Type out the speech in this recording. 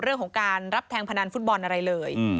เรื่องของการรับแทงพนันฟุตบอลอะไรเลย